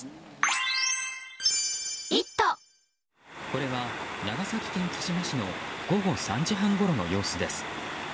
これは長崎県対馬市の午後３時半ごろの様子です。